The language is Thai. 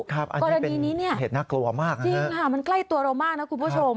กรณีนี้เนี่ยเหตุน่ากลัวมากจริงค่ะมันใกล้ตัวเรามากนะคุณผู้ชม